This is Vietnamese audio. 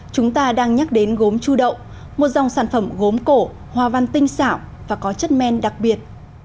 chúng ta đang nhắc đến gốm chu đậu một dòng sản phẩm gốm cổ hoa văn tinh xảo và có chất men đặc biệt